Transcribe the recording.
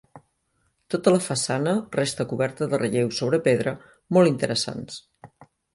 Tota la façana resta coberta de relleus sobre pedra, molt interessants.